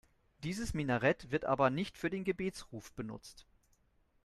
Dieses Minarett wird aber nicht für den Gebetsruf benutzt.